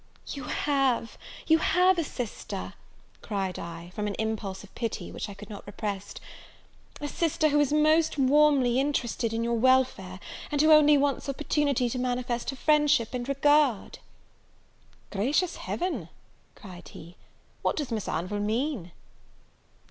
"You have you have a sister!" cried I, from an impulse of pity, which I could not repress; "a sister who is most warmly interested in your welfare, and who only wants opportunity to manifest her friendship and regard." "Gracious Heaven!" cried he, "what does Miss Anville mean?"